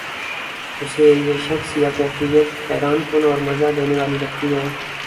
اسے یہ شخص یا کیفیت حیران کن اور مزا دینے والی لگتی ہے